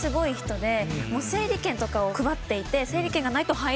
整理券とかを配っていて。